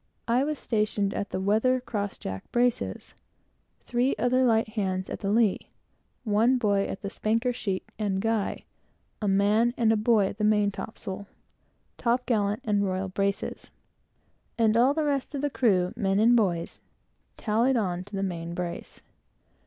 I was stationed at the weather cross jack braces; three other light hands at the lee; one boy at the spanker sheet and guy; a man and a boy at the main topsail, top gallant, and royal braces; and all the rest of the crew men and boys tallied on to the main brace.